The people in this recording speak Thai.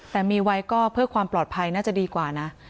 แต่มีไว้ก็เพื่อความปลอดภัยน่าจะดีกว่านะ